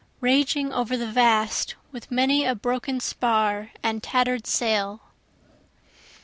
Raging over the vast, with many a broken spar and tatter'd sail.)